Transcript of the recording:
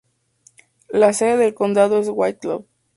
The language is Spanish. La sede del condado es White Cloud.